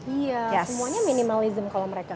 iya semuanya minimalism kalau mereka